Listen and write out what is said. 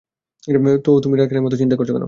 তো তুমি ডাক্তারের মতো চিন্তা করছো!